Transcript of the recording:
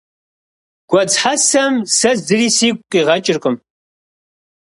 Гуэдз хьэсэм сэ зыри сигу къигъэкӀыркъым.